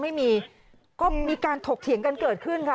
ไม่มีก็มีการถกเถียงกันเกิดขึ้นค่ะ